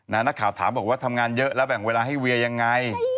นักข่าวถามบอกว่าทำงานเยอะแล้วแบ่งเวลาให้เวียยังไง